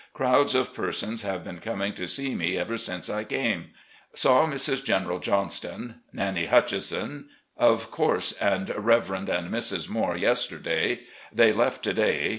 Crowds of persons have been coming to see me ever since I came. Saw Mrs. General Johnston — ^Nannie Hutchenson — of course, and Reverend and Mrs. Moore yesterday. They left to day.